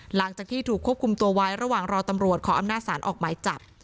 หลังจากที่ถูกควบคุมตัวไว้ระหว่างรอตำรวจขออำนาจศาลออกหมายจับ